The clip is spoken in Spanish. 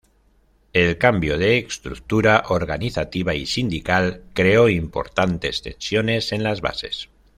El cambio de estructura organizativa y sindical, creó importantes tensiones en las bases.